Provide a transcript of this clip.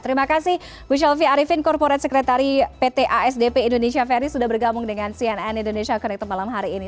terima kasih bu shelfie arifin korporat sekretari pt asdp indonesia ferry sudah bergabung dengan cnn indonesia connected malam hari ini